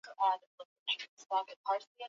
Jamii ilitoa boti nne na watu wa kutuongoza kwenda